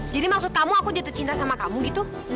jadi maksud kamu aku jatuh cinta sama kamu gitu